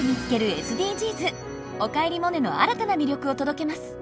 「おかえりモネ」の新たな魅力を届けます。